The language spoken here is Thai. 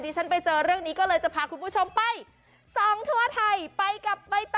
ฉันไปเจอเรื่องนี้ก็เลยจะพาคุณผู้ชมไปส่องทั่วไทยไปกับใบตอ